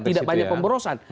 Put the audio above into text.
tidak banyak pemberosan